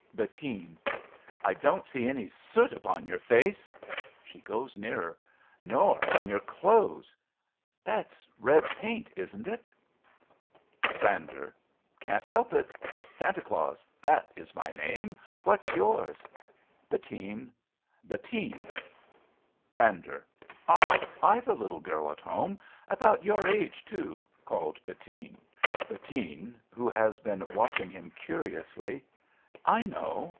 Bettine. I don't see any soot upon your face. (*S^^e goes nearer.) Nor on your clothes. That's red paint, isn't it? 37 RADA Brander. Can't help it. Santa Claus — that is my name. What's yours? Bettine. Bettine. Brander. Ah ! I've a little girl At home — about your age, too — called Bettine. Bettine {who has been watching him curiously). I know.